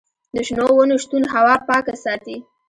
د شنو ونو شتون هوا پاکه ساتي.